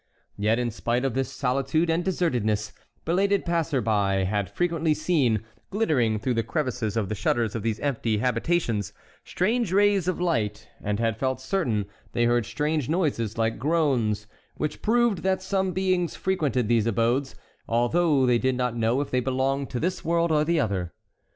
Yet, in spite of this solitude and desertedness, belated passers by had frequently seen, glittering through the crevices of the shutters of these empty habitations, strange rays of light, and had felt certain they heard strange noises like groans, which proved that some beings frequented these abodes, although they did not know if they belonged to this world or the other.